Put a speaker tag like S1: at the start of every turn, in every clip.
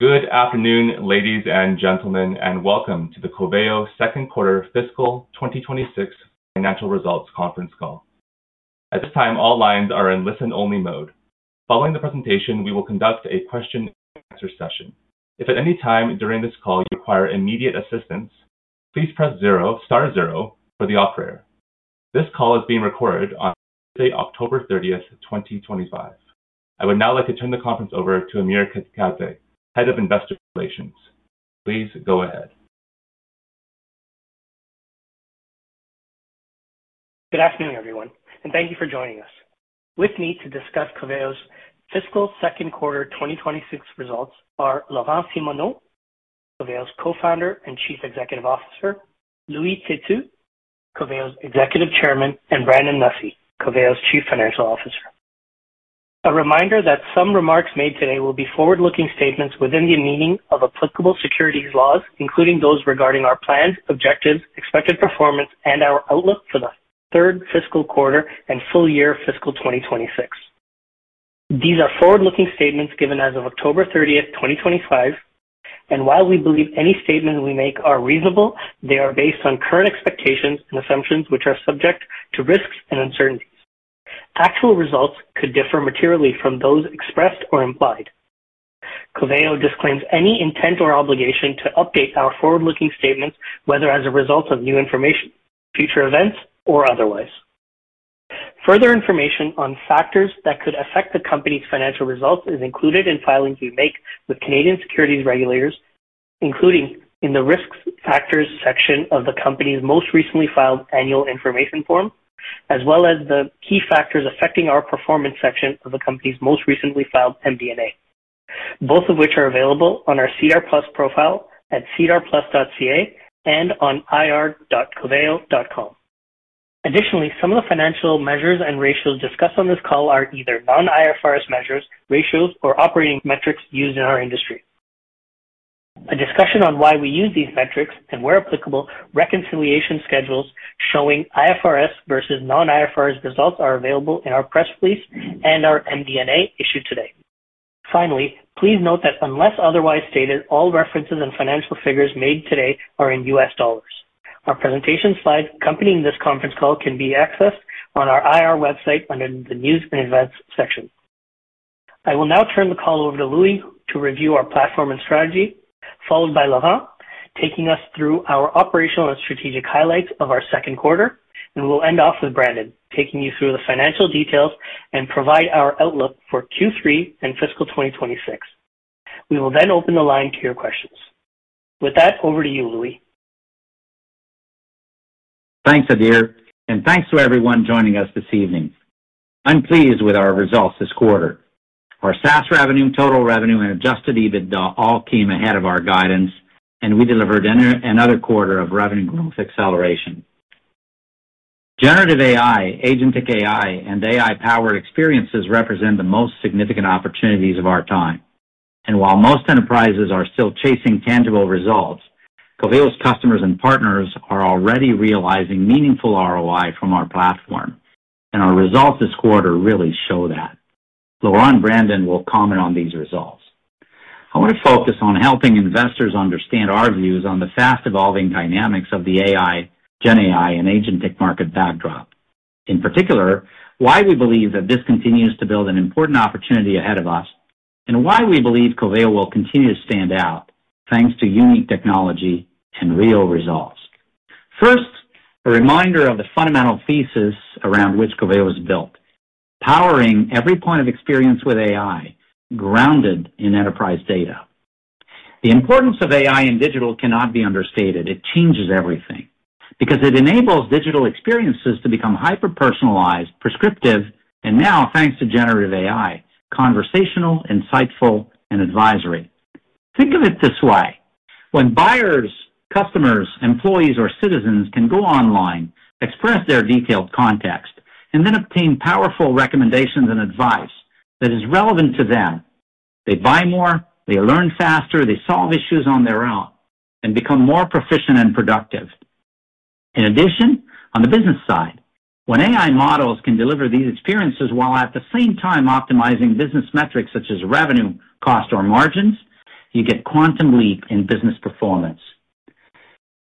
S1: Good afternoon, ladies and gentlemen, and welcome to the Coveo second quarter fiscal 2026 financial results conference call. At this time, all lines are in listen-only mode. Following the presentation, we will conduct a question-and-answer session. If at any time during this call you require immediate assistance, please press zero, star zero, for the operator. This call is being recorded on Thursday, October 30th, 2025. I would now like to turn the conference over to Adhir Kadve, Head of Investor Relations. Please go ahead.
S2: Good afternoon, everyone, and thank you for joining us. With me to discuss Coveo's fiscal second quarter 2026 results are Laurent Simoneau, Coveo's Co-founder and Chief Executive Officer, Louis Tetu, Coveo's Executive Chairman, and Brandon Nussey, Coveo's Chief Financial Officer. A reminder that some remarks made today will be forward-looking statements within the meaning of applicable securities laws, including those regarding our plans, objectives, expected performance, and our outlook for the third fiscal quarter and full year fiscal 2026. These are forward-looking statements given as of October 30th, 2025, and while we believe any statements we make are reasonable, they are based on current expectations and assumptions which are subject to risks and uncertainties. Actual results could differ materially from those expressed or implied. Coveo disclaims any intent or obligation to update our forward-looking statements, whether as a result of new information, future events, or otherwise. Further information on factors that could affect the company's financial results is included in filings we make with Canadian securities regulators, including in the risk factors section of the company's most recently filed annual information form, as well as the key factors affecting our performance section of the company's most recently filed MD&A, both of which are available on our SEDAR+ profile at sedarplus.ca and on ir.coveo.com. Additionally, some of the financial measures and ratios discussed on this call are either non-IFRS measures, ratios, or operating metrics used in our industry. A discussion on why we use these metrics and, where applicable, reconciliation schedules showing IFRS versus non-IFRS results are available in our press release and our MD&A issued today. Finally, please note that unless otherwise stated, all references and financial figures made today are in U.S. dollars. Our presentation slides accompanying this conference call can be accessed on our IR website under the news and events section. I will now turn the call over to Louis to review our platform and strategy, followed by Laurent taking us through our operational and strategic highlights of our second quarter, and we'll end off with Brandon taking you through the financial details and provide our outlook for Q3 and fiscal 2026. We will then open the line to your questions. With that, over to you, Louis.
S3: Thanks, Adhir, and thanks to everyone joining us this evening. I'm pleased with our results this quarter. Our SaaS revenue, total revenue, and adjusted EBITDA all came ahead of our guidance, and we delivered another quarter of revenue growth acceleration. Generative AI, agentic AI, and AI-powered experiences represent the most significant opportunities of our time. While most enterprises are still chasing tangible results, Coveo's customers and partners are already realizing meaningful ROI from our platform, and our results this quarter really show that. Laurent and Brandon will comment on these results. I want to focus on helping investors understand our views on the fast-evolving dynamics of the AI, GenAI, and agentic market backdrop. In particular, why we believe that this continues to build an important opportunity ahead of us, and why we believe Coveo will continue to stand out thanks to unique technology and real results. First, a reminder of the fundamental thesis around which Coveo is built: powering every point of experience with AI grounded in enterprise data. The importance of AI in digital cannot be understated. It changes everything because it enables digital experiences to become hyper-personalized, prescriptive, and now, thanks to generative AI, conversational, insightful, and advisory. Think of it this way: when buyers, customers, employees, or citizens can go online, express their detailed context, and then obtain powerful recommendations and advice that is relevant to them, they buy more, they learn faster, they solve issues on their own, and become more proficient and productive. In addition, on the business side, when AI models can deliver these experiences while at the same time optimizing business metrics such as revenue, cost, or margins, you get quantum leap in business performance.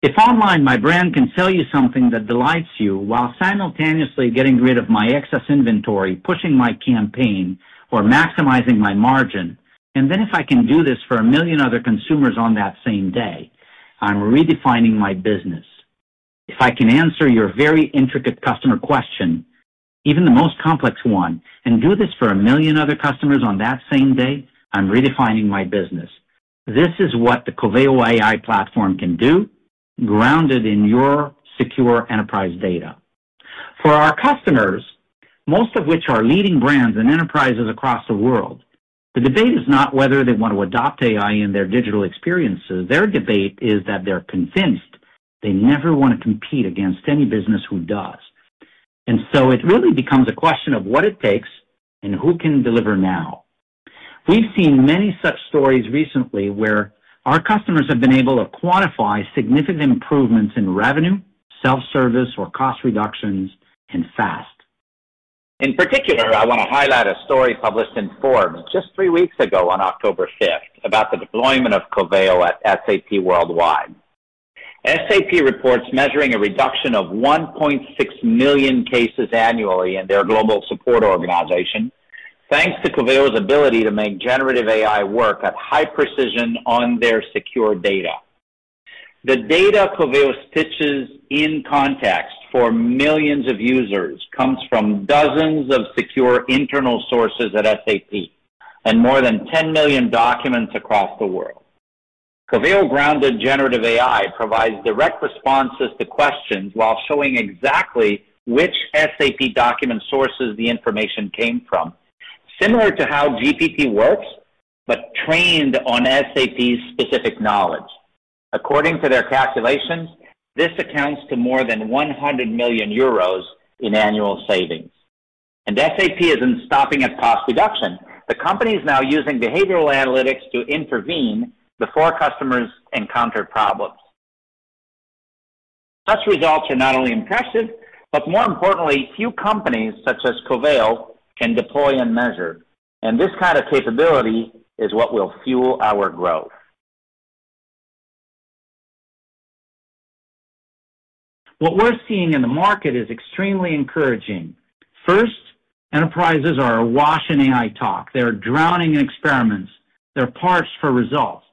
S3: If online my brand can sell you something that delights you while simultaneously getting rid of my excess inventory, pushing my campaign, or maximizing my margin, and then if I can do this for a million other consumers on that same day, I'm redefining my business. If I can answer your very intricate customer question, even the most complex one, and do this for a million other customers on that same day, I'm redefining my business. This is what the Coveo AI platform can do. Grounded in your secure enterprise data. For our customers, most of which are leading brands and enterprises across the world, the debate is not whether they want to adopt AI in their digital experiences. Their debate is that they're convinced they never want to compete against any business who does. It really becomes a question of what it takes and who can deliver now. We've seen many such stories recently where our customers have been able to quantify significant improvements in revenue, self-service, or cost reductions in fast. In particular, I want to highlight a story published in Forbes just three weeks ago on October 5th about the deployment of Coveo at SAP worldwide. SAP reports measuring a reduction of 1.6 million cases annually in their global support organization thanks to Coveo's ability to make generative AI work at high precision on their secure data. The data Coveo stitches in context for millions of users comes from dozens of secure internal sources at SAP and more than 10 million documents across the world. Coveo grounded generative AI provides direct responses to questions while showing exactly which SAP document sources the information came from, similar to how GPT works but trained on SAP's specific knowledge. According to their calculations, this accounts to more than 100 million euros in annual savings. SAP isn't stopping at cost reduction. The company is now using behavioral analytics to intervene before customers encounter problems. Such results are not only impressive but, more importantly, few companies such as Coveo can deploy and measure. This kind of capability is what will fuel our growth. What we're seeing in the market is extremely encouraging. First, enterprises are awash in AI talk. They're drowning in experiments. They're parched for results.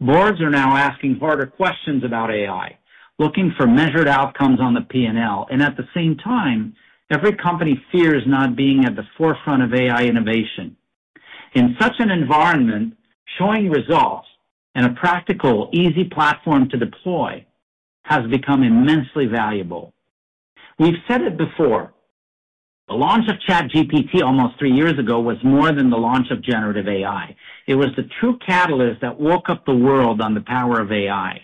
S3: Boards are now asking harder questions about AI, looking for measured outcomes on the P&L. At the same time, every company fears not being at the forefront of AI innovation. In such an environment, showing results and a practical, easy platform to deploy has become immensely valuable. We've said it before. The launch of ChatGPT almost three years ago was more than the launch of generative AI. It was the true catalyst that woke up the world on the power of AI.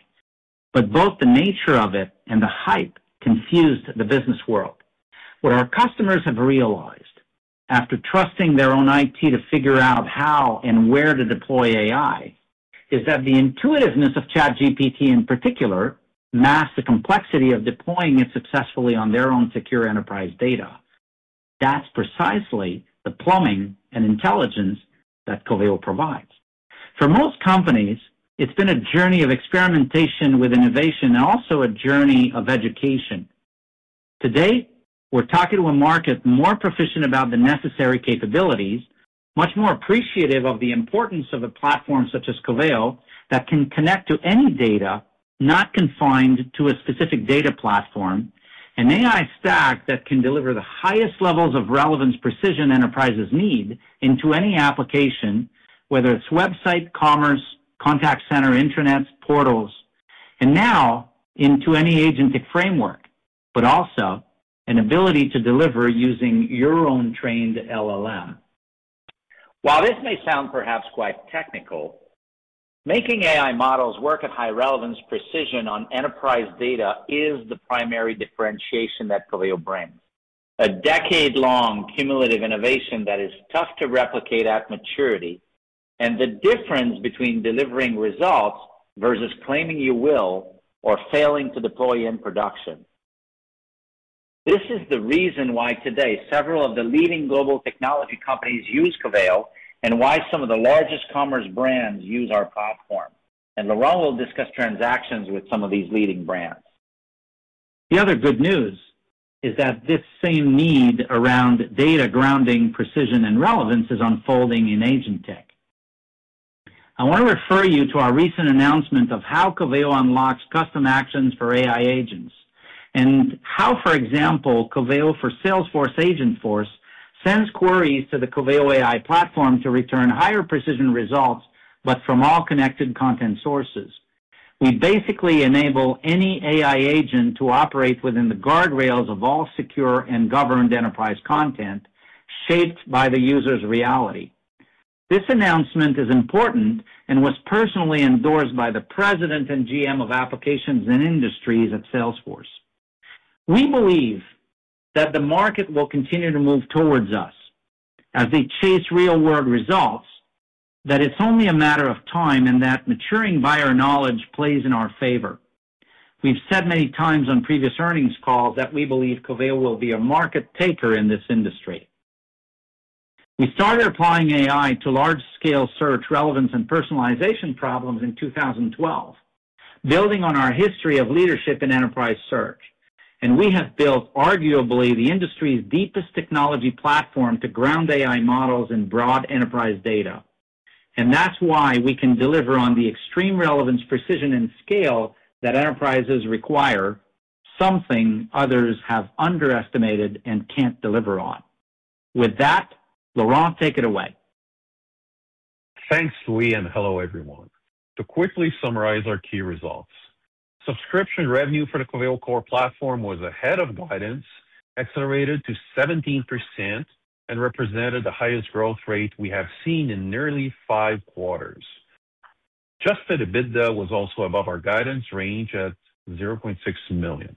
S3: Both the nature of it and the hype confused the business world. What our customers have realized after trusting their own IT to figure out how and where to deploy AI is that the intuitiveness of ChatGPT in particular masks the complexity of deploying it successfully on their own secure enterprise data. That's precisely the plumbing and intelligence that Coveo provides. For most companies, it's been a journey of experimentation with innovation and also a journey of education. Today, we're talking to a market more proficient about the necessary capabilities, much more appreciative of the importance of a platform such as Coveo that can connect to any data, not confined to a specific data platform, an AI stack that can deliver the highest levels of relevance precision enterprises need into any application, whether it's website, commerce, contact center, intranets, portals, and now into any agentic framework, but also an ability to deliver using your own trained LLM. While this may sound perhaps quite technical, making AI models work at high relevance precision on enterprise data is the primary differentiation that Coveo brings: a decade-long cumulative innovation that is tough to replicate at maturity, and the difference between delivering results versus claiming you will or failing to deploy in production. This is the reason why today several of the leading global technology companies use Coveo, which is why some of the largest commerce brands use our platform. Laurent will discuss transactions with some of these leading brands. The other good news is that this same need around data grounding, precision, and relevance is unfolding in agentic. I want to refer you to our recent announcement of how Coveo unlocks custom actions for AI agents and how, for example, Coveo for Salesforce Agentforce sends queries to the Coveo AI platform to return higher precision results, but from all connected content sources. We basically enable any AI agent to operate within the guardrails of all secure and governed enterprise content shaped by the user's reality. This announcement is important and was personally endorsed by the President and GM of Applications and Industries at Salesforce. We believe that the market will continue to move towards us as they chase real-world results, that it's only a matter of time, and that maturing buyer knowledge plays in our favor. We've said many times on previous earnings calls that we believe Coveo will be a market taker in this industry. We started applying AI to large-scale search relevance and personalization problems in 2012, building on our history of leadership in enterprise search. We have built, arguably, the industry's deepest technology platform to ground AI models in broad enterprise data. That's why we can deliver on the extreme relevance, precision, and scale that enterprises require, something others have underestimated and can't deliver on. With that, Laurent, take it away.
S4: Thanks, Louis, and hello, everyone. To quickly summarize our key results, subscription revenue for the Coveo core platform was ahead of guidance, accelerated to 17%, and represented the highest growth rate we have seen in nearly five quarters. Just a bit, though, was also above our guidance range at $0.6 million.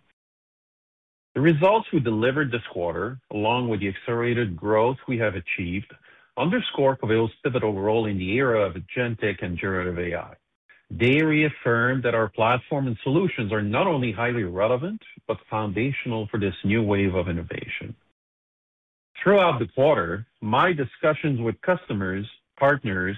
S4: The results we delivered this quarter, along with the accelerated growth we have achieved, underscore Coveo's pivotal role in the era of agentic and generative AI. They reaffirm that our platform and solutions are not only highly relevant but foundational for this new wave of innovation. Throughout the quarter, my discussions with customers, partners,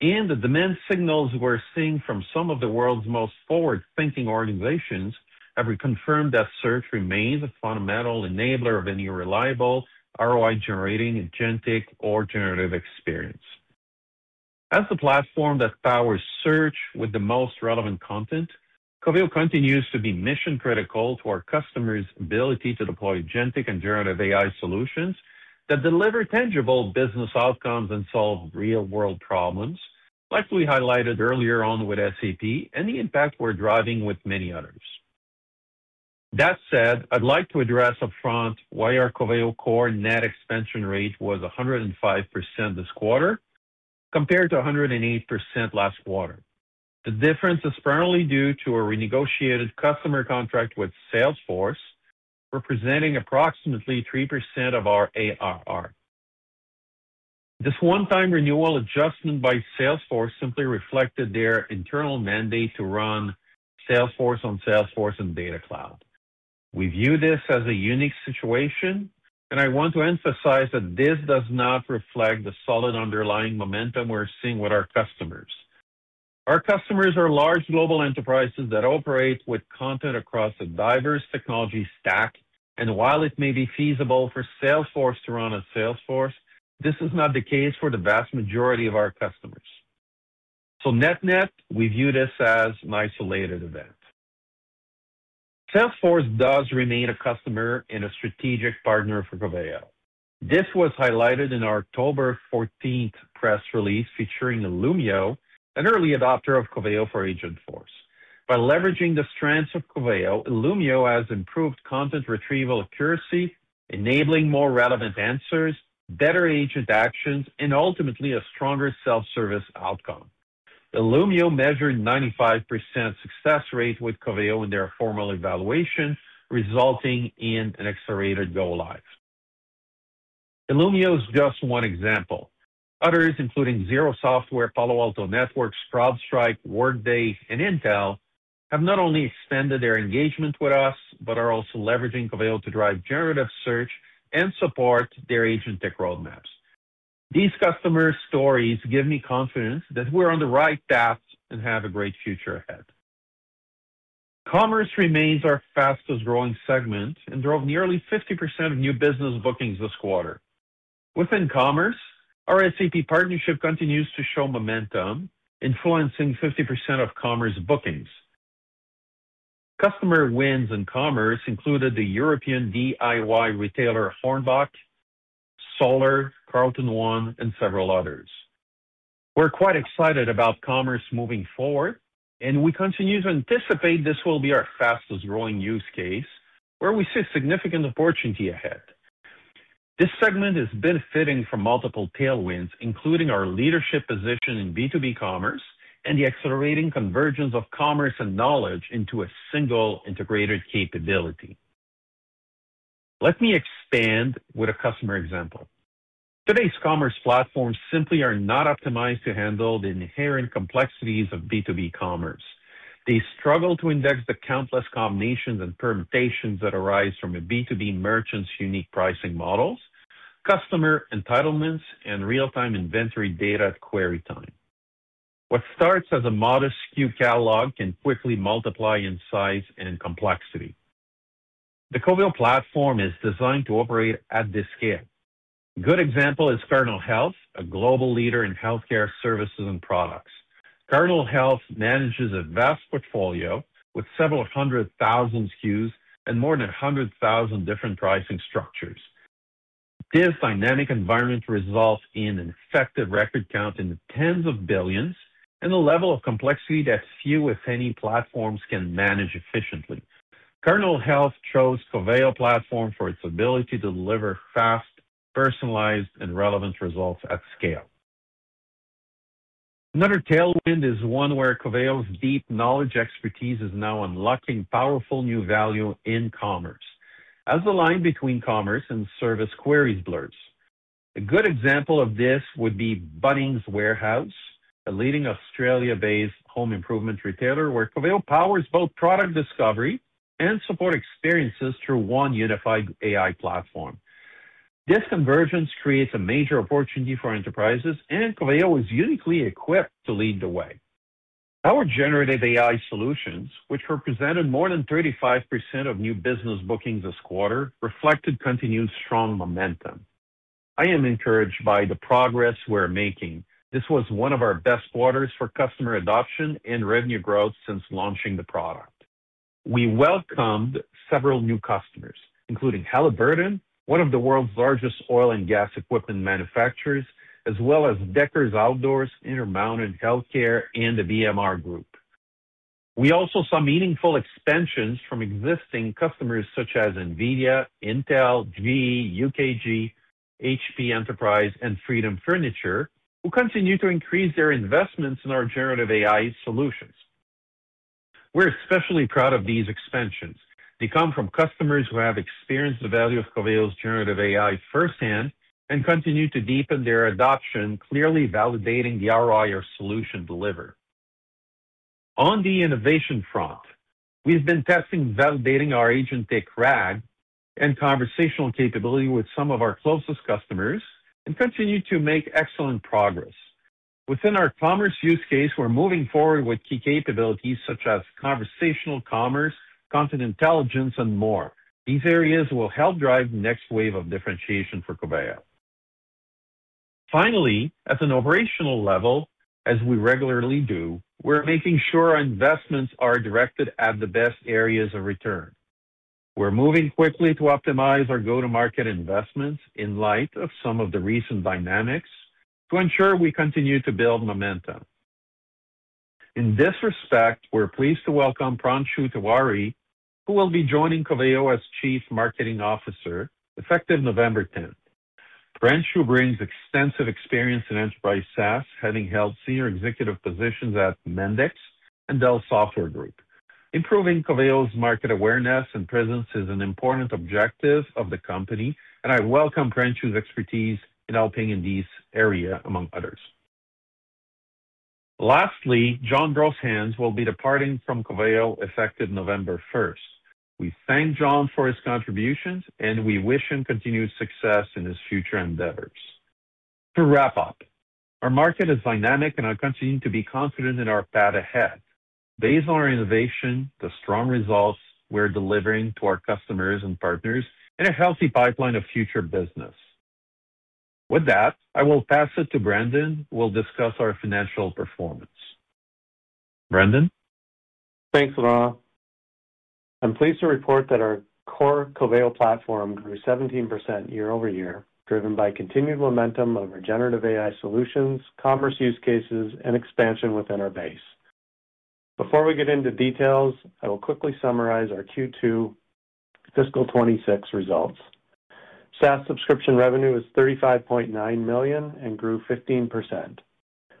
S4: and the demand signals we're seeing from some of the world's most forward-thinking organizations have reconfirmed that search remains a fundamental enabler of any reliable ROI-generating agentic or generative experience. As the platform that powers search with the most relevant content, Coveo continues to be mission-critical to our customers' ability to deploy agentic and generative AI solutions that deliver tangible business outcomes and solve real-world problems, like we highlighted earlier on with SAP and the impact we're driving with many others. That said, I'd like to address upfront why our Coveo core net expansion rate was 105% this quarter compared to 108% last quarter. The difference is primarily due to a renegotiated customer contract with Salesforce representing approximately 3% of our ARR. This one-time renewal adjustment by Salesforce simply reflected their internal mandate to run Salesforce on Salesforce and Data Cloud. We view this as a unique situation, and I want to emphasize that this does not reflect the solid underlying momentum we're seeing with our customers. Our customers are large global enterprises that operate with content across a diverse technology stack. While it may be feasible for Salesforce to run on Salesforce, this is not the case for the vast majority of our customers. Net-net, we view this as an isolated event. Salesforce does remain a customer and a strategic partner for Coveo. This was highlighted in our October 14th press release featuring Illumio, an early adopter of Coveo for Agentforce. By leveraging the strengths of Coveo, Illumio has improved content retrieval accuracy, enabling more relevant answers, better agent actions, and ultimately a stronger self-service outcome. Illumio measured a 95% success rate with Coveo in their formal evaluation, resulting in an accelerated go-live. Illumio is just one example. Others, including Xero software, Palo Alto Networks, CrowdStrike, Workday, and Intel, have not only extended their engagement with us but are also leveraging Coveo to drive generative search and support their agentic roadmaps. These customers' stories give me confidence that we're on the right path and have a great future ahead. Commerce remains our fastest-growing segment and drove nearly 50% of new business bookings this quarter. Within commerce, our SAP partnership continues to show momentum, influencing 50% of commerce bookings. Customer wins in commerce included the European DIY retailer Hornbach, Soler, CarltonOne, and several others. We're quite excited about commerce moving forward, and we continue to anticipate this will be our fastest-growing use case where we see significant opportunity ahead. This segment is benefiting from multiple tailwinds, including our leadership position in B2B commerce and the accelerating convergence of commerce and knowledge into a single integrated capability. Let me expand with a customer example. Today's commerce platforms simply are not optimized to handle the inherent complexities of B2B commerce. They struggle to index the countless combinations and permutations that arise from a B2B merchant's unique pricing models, customer entitlements, and real-time inventory data at query time. What starts as a modest SKU catalog can quickly multiply in size and complexity. The Coveo Platform is designed to operate at this scale. A good example is Cardinal Health, a global leader in healthcare services and products. Cardinal Health manages a vast portfolio with several hundred thousand SKUs and more than 100,000 different pricing structures. This dynamic environment results in an effective record count in the tens of billions and a level of complexity that few, if any, platforms can manage efficiently. Cardinal Health chose Coveo Platform for its ability to deliver fast, personalized, and relevant results at scale. Another tailwind is one where Coveo's deep knowledge expertise is now unlocking powerful new value in commerce as the line between commerce and service queries blurs. A good example of this would be Bunnings Warehouse, a leading Canada-based home improvement retailer where Coveo powers both product discovery and support experiences through one unified AI platform. This convergence creates a major opportunity for enterprises, and Coveo is uniquely equipped to lead the way. Our generative AI solutions, which represented more than 35% of new business bookings this quarter, reflected continued strong momentum. I am encouraged by the progress we're making. This was one of our best quarters for customer adoption and revenue growth since launching the product. We welcomed several new customers, including Halliburton, one of the world's largest oil and gas equipment manufacturers, as well as Deckers Outdoor, Intermountain Healthcare, and BMR Group. We also saw meaningful expansions from existing customers such as NVIDIA, Intel, GE, UKG, HP Enterprise, and Freedom Furniture, who continue to increase their investments in our generative AI solutions. We're especially proud of these expansions. They come from customers who have experienced the value of Coveo's generative AI firsthand and continue to deepen their adoption, clearly validating the ROI our solution delivers. On the innovation front, we've been testing and validating our agentic RAG and conversational capability with some of our closest customers and continue to make excellent progress. Within our commerce use case, we're moving forward with key capabilities such as conversational commerce, content intelligence, and more. These areas will help drive the next wave of differentiation for Coveo. Finally, at an operational level, as we regularly do, we're making sure our investments are directed at the best areas of return. We're moving quickly to optimize our go-to-market investments in light of some of the recent dynamics to ensure we continue to build momentum. In this respect, we're pleased to welcome Pranshu Tewari, who will be joining Coveo as Chief Marketing Officer effective November 10th. Pranshu brings extensive experience in enterprise SaaS, having held senior executive positions at Mendix and Dell Software Group. Improving Coveo's market awareness and presence is an important objective of the company, and I welcome Pranshu's expertise in helping in this area, among others. Lastly, John Grosshans will be departing from Coveo effective November 1st. We thank John for his contributions, and we wish him continued success in his future endeavors. To wrap up, our market is dynamic, and I continue to be confident in our path ahead. Based on our innovation, the strong results we're delivering to our customers and partners, and a healthy pipeline of future business, I will pass it to Brandon, who will discuss our financial performance. Brandon?
S5: Thanks, Laurent. I'm pleased to report that our core Coveo Platform grew 17% year-over-year, driven by continued momentum of our generative AI solutions, commerce use cases, and expansion within our base. Before we get into details, I will quickly summarize our Q2 fiscal 2026 results. SaaS subscription revenue was $35.9 million and grew 15%.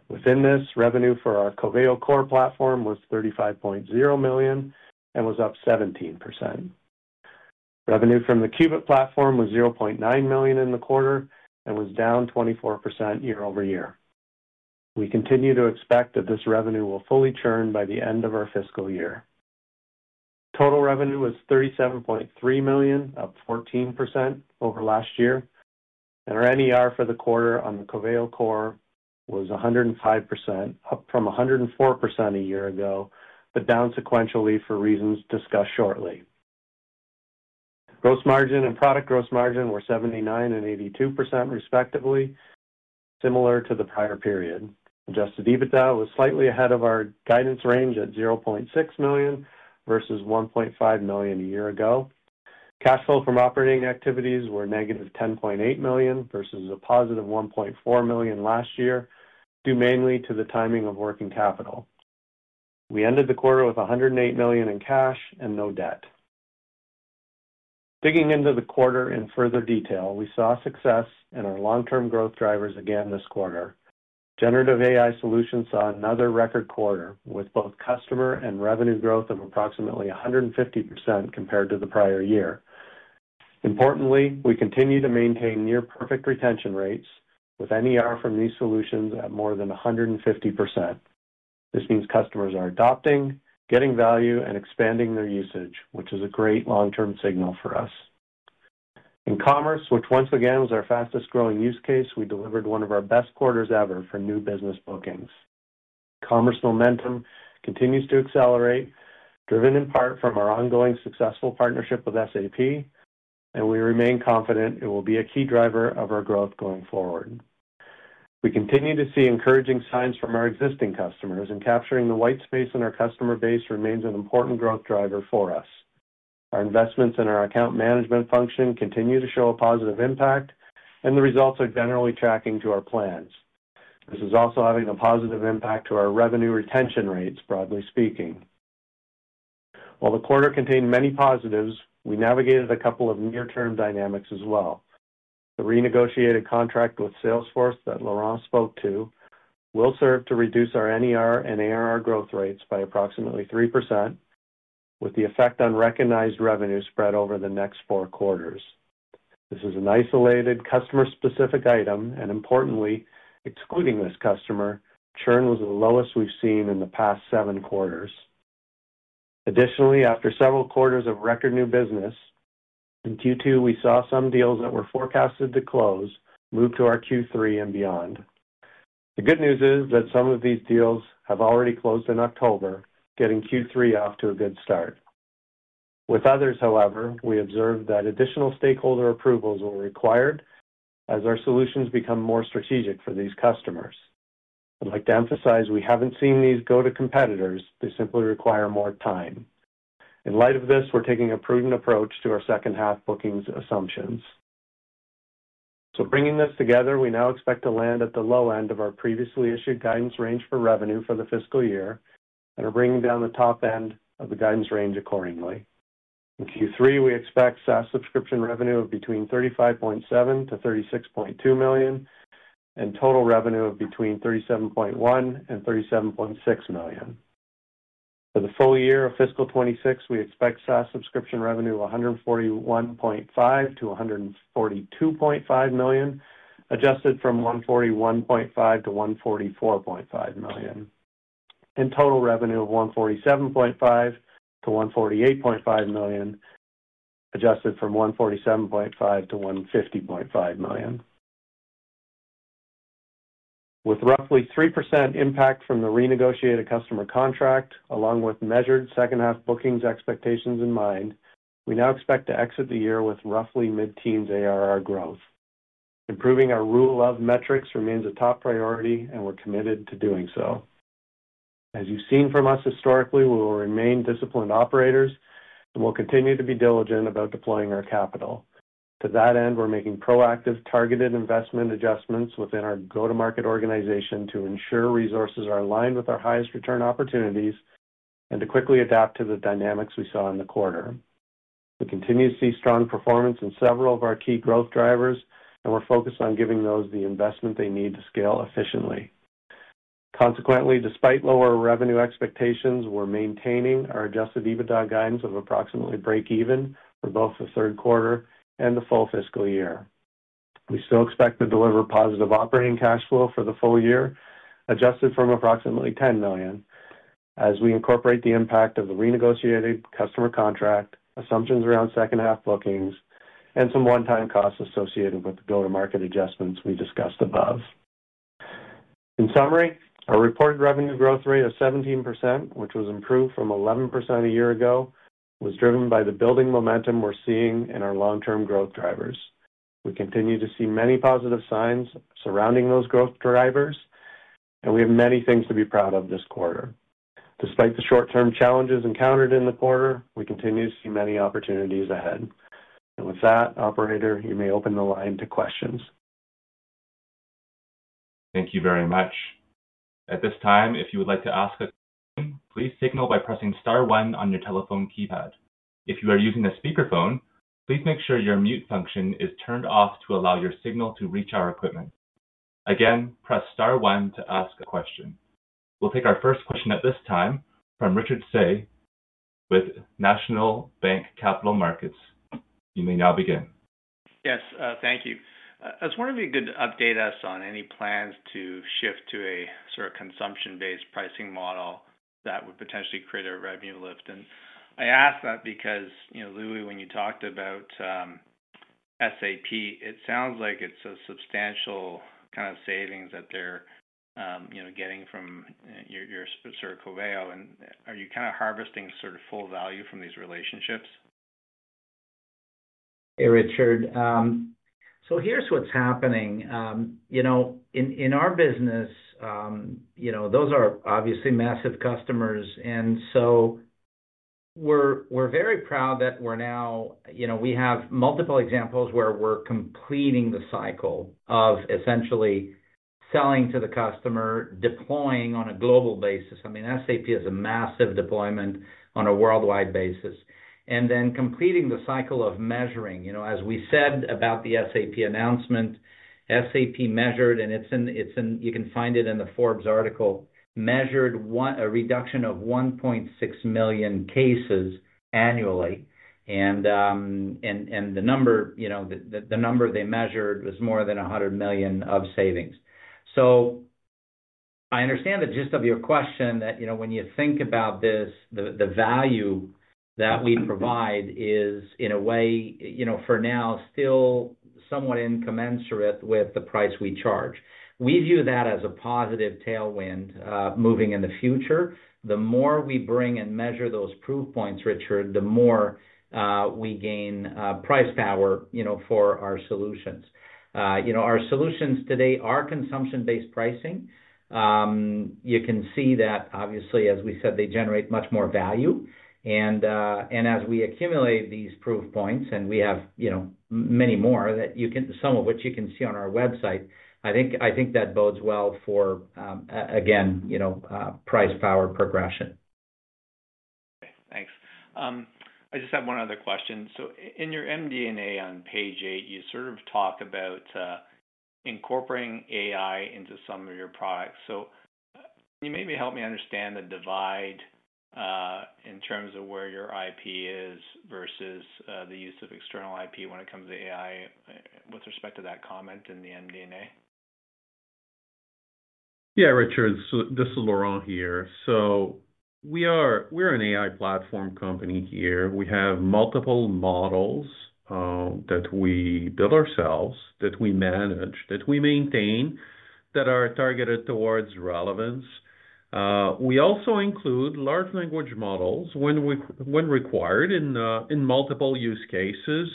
S5: Within this, revenue for our Coveo core platform was $35.0 million and was up 17%. Revenue from the Qubit platform was $0.9 million in the quarter and was down 24% year-over-year. We continue to expect that this revenue will fully churn by the end of our fiscal year. Total revenue was $37.3 million, up 14% over last year, and our NER for the quarter on the Coveo core was 105%, up from 104% a year ago but down sequentially for reasons discussed shortly. Gross margin and product gross margin were 79% and 82%, respectively, similar to the prior period. Adjusted EBITDA was slightly ahead of our guidance range at $0.6 million versus $1.5 million a year ago. Cash flow from operating activities was -$10.8 million versus a +$1.4 million last year, due mainly to the timing of working capital. We ended the quarter with $108 million in cash and no debt. Digging into the quarter in further detail, we saw success in our long-term growth drivers again this quarter. Generative AI solutions saw another record quarter with both customer and revenue growth of approximately 150% compared to the prior year. Importantly, we continue to maintain near-perfect retention rates with NER from these solutions at more than 150%. This means customers are adopting, getting value, and expanding their usage, which is a great long-term signal for us. In commerce, which once again was our fastest-growing use case, we delivered one of our best quarters ever for new business bookings. Commerce momentum continues to accelerate, driven in part from our ongoing successful partnership with SAP, and we remain confident it will be a key driver of our growth going forward. We continue to see encouraging signs from our existing customers, and capturing the white space in our customer base remains an important growth driver for us. Our investments in our account management function continue to show a positive impact, and the results are generally tracking to our plans. This is also having a positive impact on our revenue retention rates, broadly speaking. While the quarter contained many positives, we navigated a couple of near-term dynamics as well. The renegotiated contract with Salesforce that Laurent spoke to will serve to reduce our NER and ARR growth rates by approximately 3%, with the effect on recognized revenue spread over the next four quarters. This is an isolated, customer-specific item, and importantly, excluding this customer, churn was the lowest we've seen in the past seven quarters. Additionally, after several quarters of record new business, in Q2, we saw some deals that were forecasted to close move to our Q3 and beyond. The good news is that some of these deals have already closed in October, getting Q3 off to a good start. With others, however, we observed that additional stakeholder approvals were required as our solutions become more strategic for these customers. I'd like to emphasize we haven't seen these go to competitors. They simply require more time. In light of this, we're taking a prudent approach to our second-half bookings assumptions. Bringing this together, we now expect to land at the low end of our previously issued guidance range for revenue for the fiscal year and are bringing down the top end of the guidance range accordingly. In Q3, we expect SaaS subscription revenue of between $35.7 million-$36.2 million, and total revenue of between $37.1 million and $37.6 million. For the full year of fiscal 2026, we expect SaaS subscription revenue of $141.5 million-$142.5 million, adjusted from $141.5 million-$144.5 million, and total revenue of $147.5 million-$148.5 million, adjusted from $147.5 million-$150.5 million. With roughly 3% impact from the renegotiated customer contract, along with measured second-half bookings expectations in mind, we now expect to exit the year with roughly mid-teens ARR growth. Improving our rule of metrics remains a top priority, and we're committed to doing so. As you've seen from us historically, we will remain disciplined operators, and we'll continue to be diligent about deploying our capital. To that end, we're making proactive, targeted investment adjustments within our go-to-market organization to ensure resources are aligned with our highest return opportunities and to quickly adapt to the dynamics we saw in the quarter. We continue to see strong performance in several of our key growth drivers, and we're focused on giving those the investment they need to scale efficiently. Consequently, despite lower revenue expectations, we're maintaining our adjusted EBITDA guidance of approximately break-even for both the third quarter and the full fiscal year. We still expect to deliver positive operating cash flow for the full year, adjusted from approximately $10 million, as we incorporate the impact of the renegotiated customer contract, assumptions around second-half bookings, and some one-time costs associated with the go-to-market adjustments we discussed above. In summary, our reported revenue growth rate of 17%, which was improved from 11% a year ago, was driven by the building momentum we're seeing in our long-term growth drivers. We continue to see many positive signs surrounding those growth drivers, and we have many things to be proud of this quarter. Despite the short-term challenges encountered in the quarter, we continue to see many opportunities ahead. Operator, you may open the line to questions.
S1: Thank you very much. At this time, if you would like to ask a question, please signal by pressing star one on your telephone keypad. If you are using a speakerphone, please make sure your mute function is turned off to allow your signal to reach our equipment. Again, press star one to ask a question. We'll take our first question at this time from Richard Tse with National Bank Capital Markets. You may now begin.
S6: Yes, thank you. I just wanted to update us on any plans to shift to a sort of consumption-based pricing model that would potentially create a revenue lift. I ask that because, Louis, when you talked about SAP, it sounds like it's a substantial kind of savings that they're getting from your Coveo. Are you kind of harvesting sort of full value from these relationships?
S3: Hey, Richard. Here's what's happening in our business. Those are obviously massive customers. We're very proud that we now have multiple examples where we're completing the cycle of essentially selling to the customer, deploying on a global basis. SAP is a massive deployment on a worldwide basis, and then completing the cycle of measuring. As we said about the SAP announcement, SAP measured—and you can find it in the Forbes article—a reduction of 1.6 million cases annually. The number they measured was more than $100 million of savings. I understand the gist of your question, that when you think about this, the value that we provide is, in a way, for now, still somewhat incommensurate with the price we charge. We view that as a positive tailwind moving in the future. The more we bring and measure those proof points, Richard, the more we gain price power for our solutions. Our solutions today are consumption-based pricing. You can see that, obviously, as we said, they generate much more value. As we accumulate these proof points—and we have many more, some of which you can see on our website—I think that bodes well for, again, price-powered progression.
S6: Okay. Thanks. I just have one other question. In your MD&A on page eight, you sort of talk about incorporating AI into some of your products. Can you maybe help me understand the divide in terms of where your IP is versus the use of external IP when it comes to AI with respect to that comment in the MD&A?
S4: Yeah, Richard. This is Laurent here. We're an AI platform company here. We have multiple models that we build ourselves, that we manage, that we maintain, that are targeted towards relevance. We also include large language models when required in multiple use cases.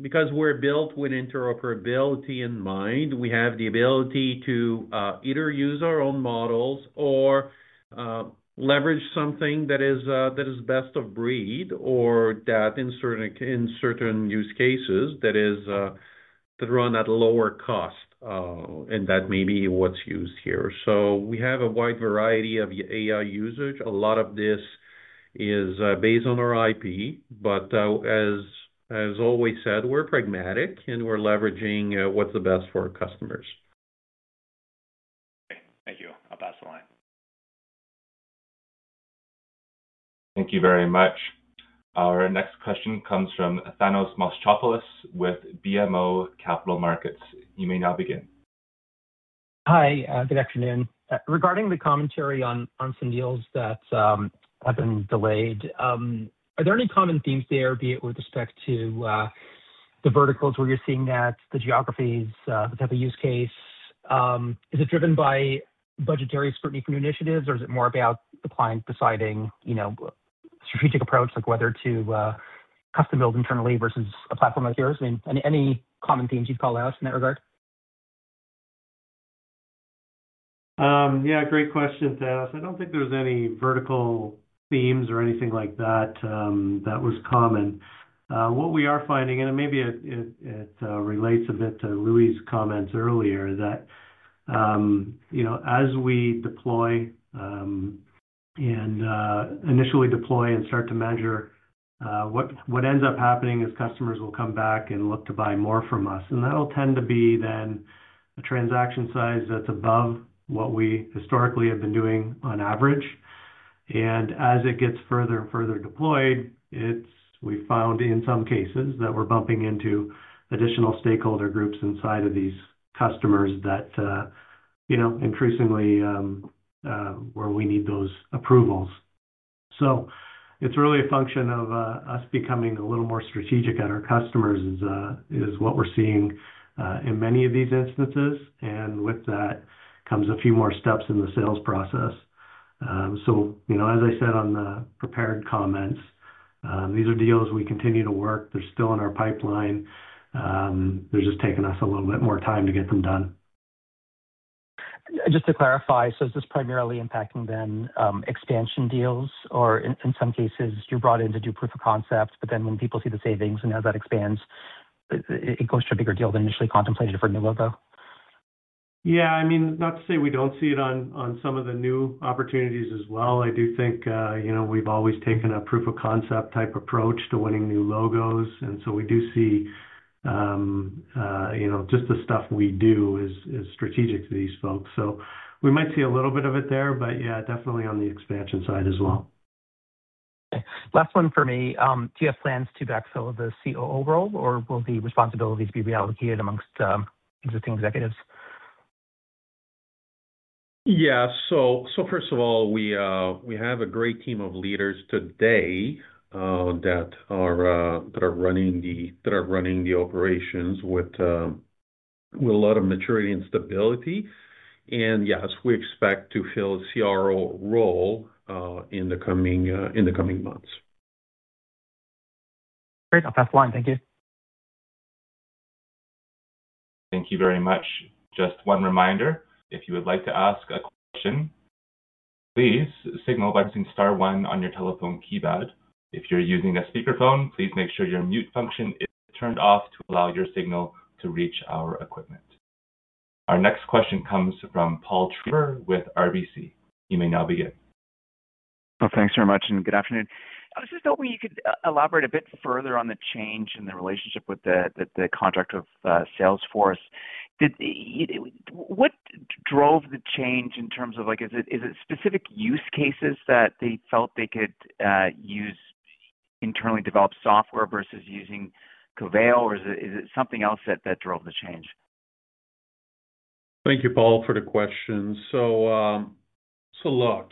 S4: Because we're built with interoperability in mind, we have the ability to either use our own models or leverage something that is best of breed or that, in certain use cases, is run at a lower cost. That may be what's used here. We have a wide variety of AI usage. A lot of this is based on our IP. As always said, we're pragmatic, and we're leveraging what's the best for our customers.
S6: Okay, thank you. I'll pass the line.
S1: Thank you very much. Our next question comes from Thanos Moschopoulos with BMO Capital Markets. You may now begin.
S7: Hi. Good afternoon. Regarding the commentary on some deals that have been delayed, are there any common themes there, be it with respect to the verticals where you're seeing that, the geographies, the type of use case? Is it driven by budgetary scrutiny from initiatives, or is it more about the client deciding strategic approach, like whether to custom build internally versus a platform like yours? I mean, any common themes you've called out in that regard?
S5: Great question, Thanos. I don't think there's any vertical themes or anything like that that was common. What we are finding, and it maybe relates a bit to Louis' comments earlier, is that as we deploy and initially deploy and start to measure, what ends up happening is customers will come back and look to buy more from us. That'll tend to be then a transaction size that's above what we historically have been doing on average. As it gets further and further deployed, we found in some cases that we're bumping into additional stakeholder groups inside of these customers where we need those approvals. It's really a function of us becoming a little more strategic at our customers, is what we're seeing in many of these instances. With that comes a few more steps in the sales process. As I said on the prepared comments, these are deals we continue to work. They're still in our pipeline. They're just taking us a little bit more time to get them done.
S7: Just to clarify, is this primarily impacting then expansion deals? Or in some cases, you're brought in to do proof of concept, but when people see the savings and how that expands, it goes to a bigger deal than initially contemplated for a new logo?
S5: Yeah, I mean, not to say we don't see it on some of the new opportunities as well. I do think we've always taken a proof of concept type approach to winning new logos, and we do see just the stuff we do is strategic to these folks. We might see a little bit of it there, but yeah, definitely on the expansion side as well.
S7: Okay. Last one for me. Do you have plans to backfill the COO role, or will the responsibilities be reallocated amongst existing executives?
S4: First of all, we have a great team of leaders today that are running the operations with a lot of maturity and stability. Yes, we expect to fill a CRO role in the coming months.
S7: Great, I'll pass the line. Thank you.
S1: Thank you very much. Just one reminder: if you would like to ask a question, please signal by pressing star one on your telephone keypad. If you're using a speakerphone, please make sure your mute function is turned off to allow your signal to reach our equipment. Our next question comes from Paul Treiber with RBC. You may now begin.
S8: Thanks very much and good afternoon. Could you elaborate a bit further on the change in the relationship with the contract of Salesforce? What drove the change in terms of is it specific use cases that they felt they could use internally developed software versus using Coveo, or is it something else that drove the change?
S4: Thank you, Paul, for the question. Look,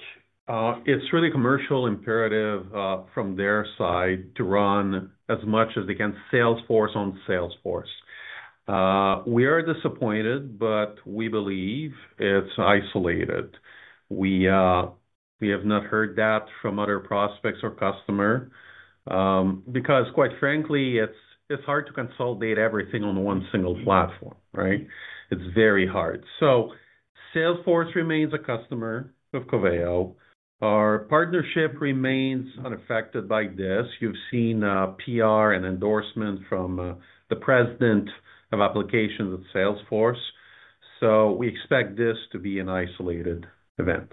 S4: it's really a commercial imperative from their side to run as much as they can Salesforce on Salesforce. We are disappointed, but we believe it's isolated. We have not heard that from other prospects or customers because, quite frankly, it's hard to consolidate everything on one single platform, right? It's very hard. Salesforce remains a customer of Coveo. Our partnership remains unaffected by this. You've seen PR and endorsement from the President of Applications at Salesforce. We expect this to be an isolated event.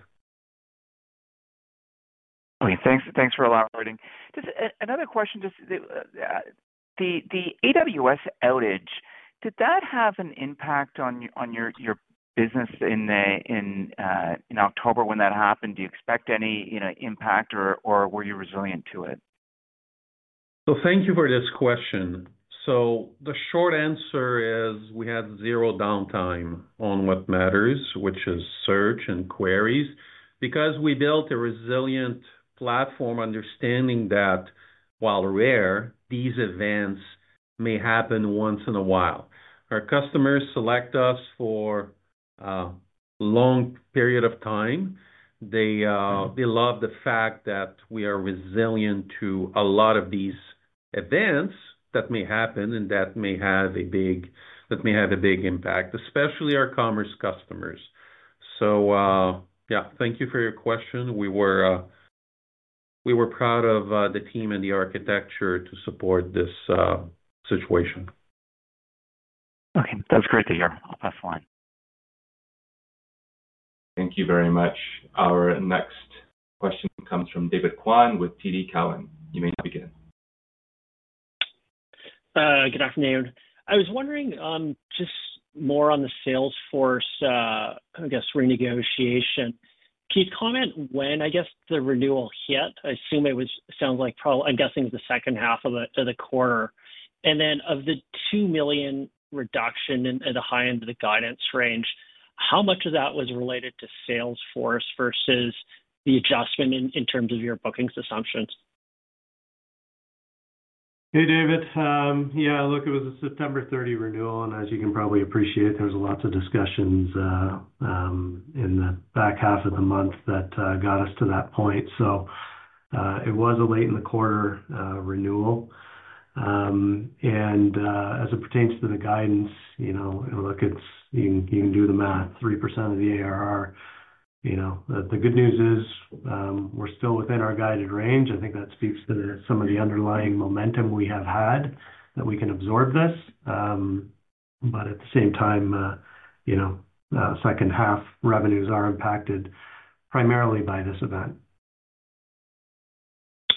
S8: Okay, thanks for elaborating. Just another question. The AWS outage, did that have an impact on your business in October when that happened? Do you expect any impact, or were you resilient to it?
S4: Thank you for this question. The short answer is we had zero downtime on what matters, which is search and queries, because we built a resilient platform understanding that, while rare, these events may happen once in a while. Our customers select us for a long period of time. They love the fact that we are resilient to a lot of these events that may happen and that may have a big impact, especially our commerce customers. Thank you for your question. We were proud of the team and the architecture to support this situation.
S8: Okay, that's great to hear. I'll pass the line.
S1: Thank you very much. Our next question comes from David Kwan with TD Cowen. You may now begin.
S9: Good afternoon. I was wondering just more on the Salesforce, I guess, renegotiation. Can you comment when, I guess, the renewal hit? I assume it sounds like probably, I'm guessing, the second half of the quarter. Of the $2 million reduction at the high end of the guidance range, how much of that was related to Salesforce versus the adjustment in terms of your bookings assumptions?
S5: Hey, David. Yeah, look, it was a September 30 renewal. As you can probably appreciate, there was lots of discussions in the back half of the month that got us to that point. It was a late-in-the-quarter renewal. As it pertains to the guidance, look, you can do the math, 3% of the ARR. The good news is we're still within our guided range. I think that speaks to some of the underlying momentum we have had that we can absorb this. At the same time, second-half revenues are impacted primarily by this event.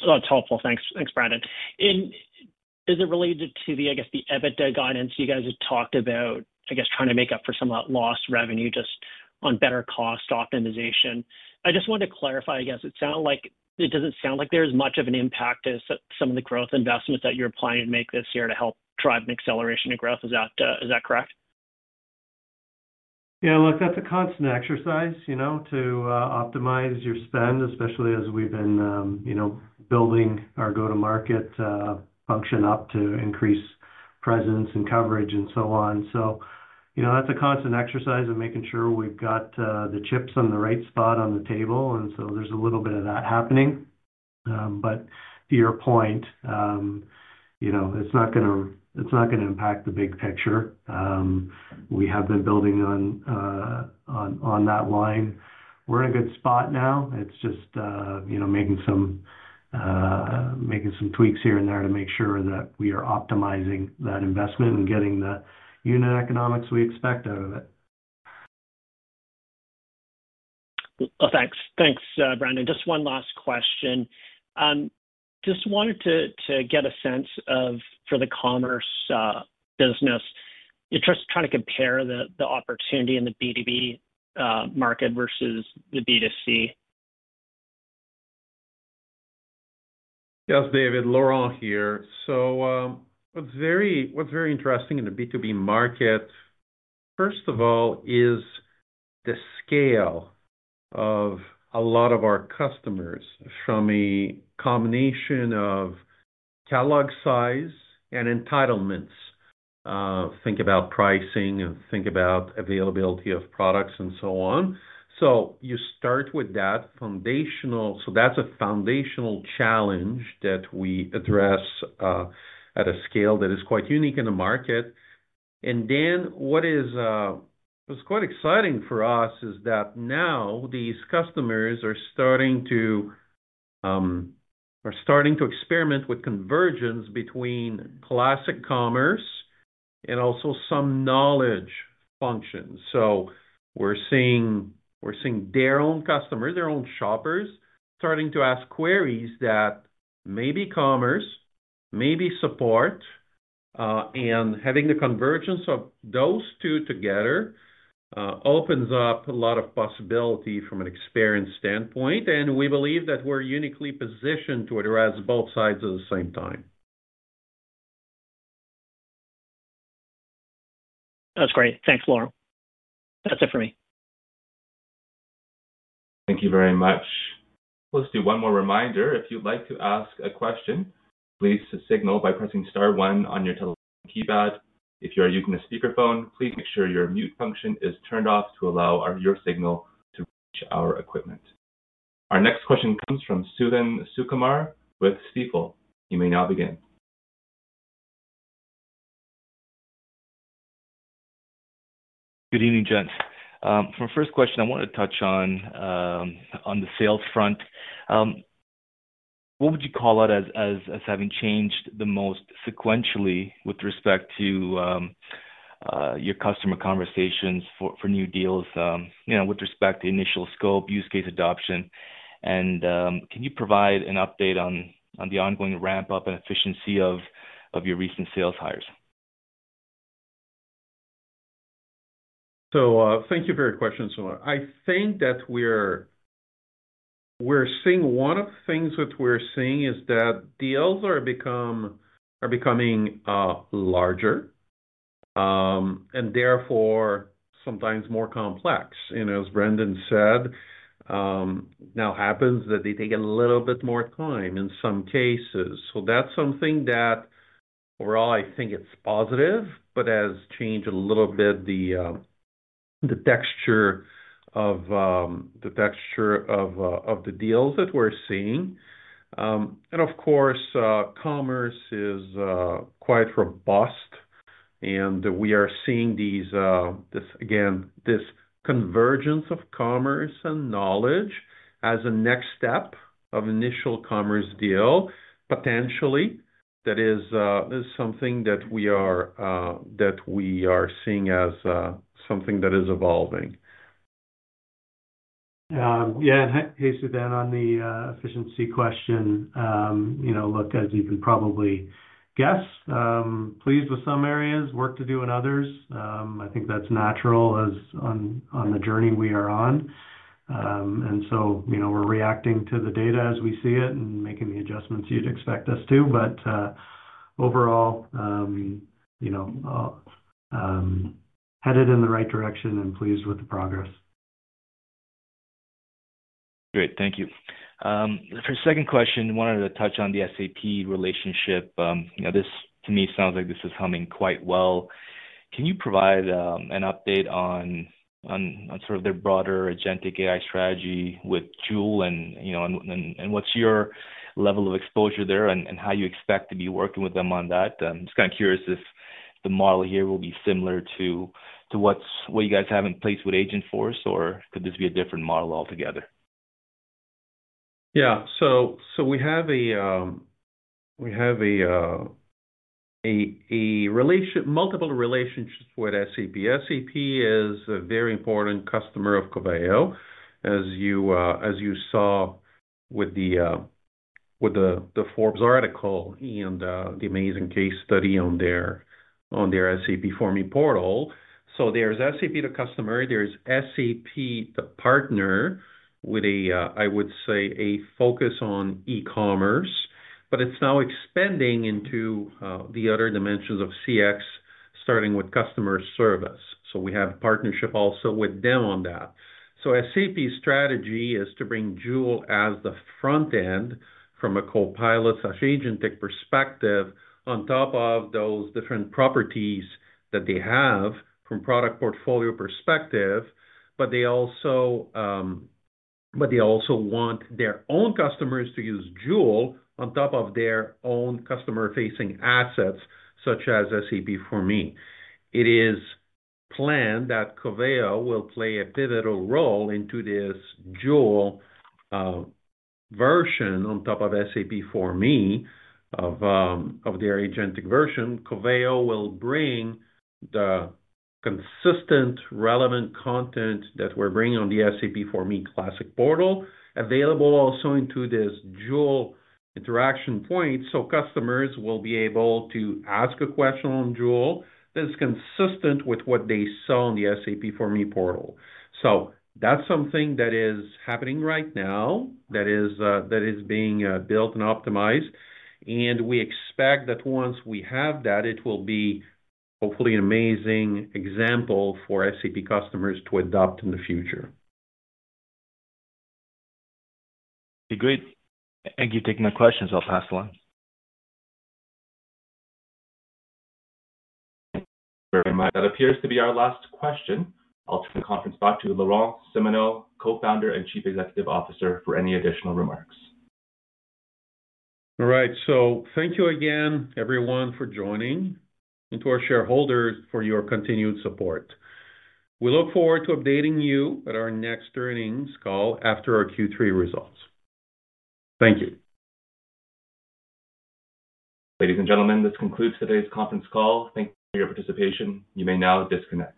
S9: That's helpful. Thanks, Brandon. Is it related to the EBITDA guidance you guys had talked about, trying to make up for some of that lost revenue just on better cost optimization? I just wanted to clarify. It doesn't sound like there's much of an impact as some of the growth investments that you're planning to make this year to help drive an acceleration of growth. Is that correct?
S5: Yeah. Look, that's a constant exercise to optimize your spend, especially as we've been building our go-to-market function up to increase presence and coverage and so on. That's a constant exercise of making sure we've got the chips in the right spot on the table, and there's a little bit of that happening. To your point, it's not going to impact the big picture. We have been building on that line. We're in a good spot now. It's just making some tweaks here and there to make sure that we are optimizing that investment and getting the unit economics we expect out of it.
S9: Thanks. Thanks, Brandon. Just one last question. Just wanted to get a sense of, for the commerce business, just trying to compare the opportunity in the B2B market versus the B2C.
S4: Yes, David. Laurent here. What's very interesting in the B2B market, first of all, is the scale of a lot of our customers from a combination of catalog size and entitlements. Think about pricing and think about availability of products and so on. You start with that foundational challenge that we address at a scale that is quite unique in the market. What is quite exciting for us is that now these customers are starting to experiment with convergence between classic commerce and also some knowledge functions. We're seeing their own customers, their own shoppers, starting to ask queries that may be commerce, may be support. Having the convergence of those two together opens up a lot of possibility from an experience standpoint. We believe that we're uniquely positioned to address both sides at the same time.
S9: That's great. Thanks, Laurent. That's it for me.
S1: Thank you very much. Let's do one more reminder. If you'd like to ask a question, please signal by pressing star one on your telephone keypad. If you're using a speakerphone, please make sure your mute function is turned off to allow your signal to reach our equipment. Our next question comes from Suthan Sukumar with Stifel. You may now begin.
S10: Good evening, gents. For my first question, I want to touch on the sales front. What would you call out as having changed the most sequentially with respect to your customer conversations for new deals with respect to initial scope, use case adoption? Can you provide an update on the ongoing ramp-up and efficiency of your recent sales hires?
S4: Thank you for your question, Suthan. I think that we're seeing one of the things that we're seeing is that deals are becoming larger and therefore, sometimes more complex. As Brandon said, it now happens that they take a little bit more time in some cases. That's something that overall, I think is positive, but has changed a little bit the texture of the deals that we're seeing. Of course, commerce is quite robust, and we are seeing this, again, this convergence of commerce and knowledge as a next step of initial commerce deal, potentially. That is something that we are seeing as something that is evolving.
S5: Yeah. Hey, Suthan, on the efficiency question. Look, as you can probably guess, pleased with some areas, work to do in others. I think that's natural on the journey we are on. We're reacting to the data as we see it and making the adjustments you'd expect us to. Overall, headed in the right direction and pleased with the progress.
S10: Great. Thank you. For the second question, wanted to touch on the SAP relationship. This, to me, sounds like this is humming quite well. Can you provide an update on their broader agentic AI strategy with Joule, and what's your level of exposure there and how you expect to be working with them on that? Just kind of curious if the model here will be similar to what you guys have in place with Agentforce, or could this be a different model altogether?
S4: We have multiple relationships with SAP. SAP is a very important customer of Coveo, as you saw with the Forbes article and the amazing case study on their SAP For Me portal. There is SAP the customer, and there is SAP the partner, with, I would say, a focus on e-commerce, but it's now expanding into the other dimensions of CX, starting with customer service. We have partnership also with them on that. SAP's strategy is to bring Joule as the front end from a Copilot/agentic perspective on top of those different properties that they have from a product portfolio perspective, but they also want their own customers to use Joule on top of their own customer-facing assets such as SAP For Me. It is planned that Coveo will play a pivotal role in this Joule version on top of SAP For Me, of their agentic version. Coveo will bring the consistent, relevant content that we're bringing on the SAP For Me Classic portal, available also into this Joule interaction point. Customers will be able to ask a question on Joule that is consistent with what they saw on the SAP For Me portal. That is something that is happening right now that is being built and optimized. We expect that once we have that, it will be hopefully an amazing example for SAP customers to adopt in the future.
S10: Okay. Great. Thank you for taking my questions. I'll pass along.
S1: That appears to be our last question. I'll turn the conference back to Laurent Simoneau, Co-founder and Chief Executive Officer, for any additional remarks.
S4: All right. Thank you again, everyone, for joining, and to our shareholders for your continued support. We look forward to updating you at our next earnings call after our Q3 results. Thank you.
S1: Ladies and gentlemen, this concludes today's conference call. Thank you for your participation. You may now disconnect.